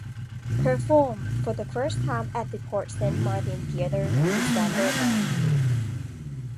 Performed for the first time at the Porte-Saint-Martin theatre, December then.